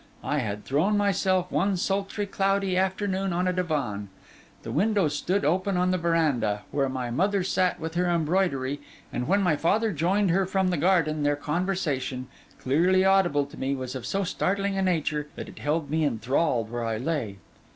I had thrown myself, one sultry, cloudy afternoon, on a divan; the windows stood open on the verandah, where my mother sat with her embroidery; and when my father joined her from the garden, their conversation, clearly audible to me, was of so startling a nature that it held me enthralled where I lay.